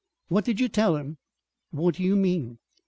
"What did you tell him?" "What do you mean?"